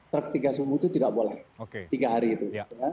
truk tiga sumbu itu tidak boleh tiga hari itu